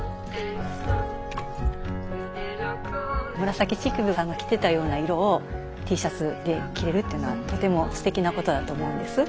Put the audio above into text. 紫式部が着てたような色をＴシャツで着れるっていうのはとてもすてきなことだと思うんです。